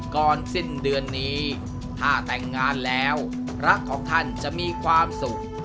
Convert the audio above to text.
ก่อนสิ้นเดือนนี้ถ้าแต่งงานแล้วรักของท่านจะมีความสุข